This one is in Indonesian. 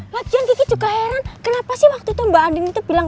lagian kita juga heran kenapa sih waktu itu mbak ading itu bilang